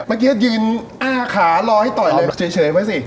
เมื่อกี้ยืนอ้าขารอให้ต่อยเลยเฉยไว้สิ